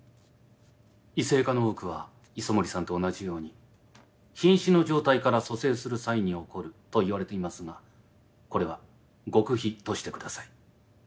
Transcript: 異性化の多くは磯森さんと同じように瀕死の状態から蘇生する際に起こるといわれていますがこれは極秘としてください。